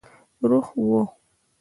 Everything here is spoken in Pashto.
روح وو.